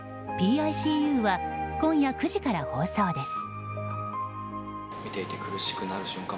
「ＰＩＣＵ」は今夜９時から放送です。